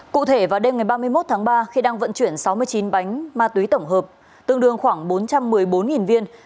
cụ thể vào đêm ngày ba mươi một tháng ba khi đang vận chuyển sáu mươi chín bánh ma túy tổng hợp tương đương khoảng bốn trăm một mươi bốn viên